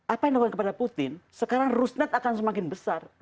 apa yang dilakukan kepada putin sekarang rusnet akan semakin besar